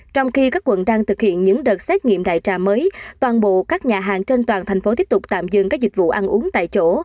trong khi các quận đang thực hiện những đợt xét nghiệm đại trà mới toàn bộ các nhà hàng trên toàn thành phố tiếp tục tạm dừng các dịch vụ ăn uống tại chỗ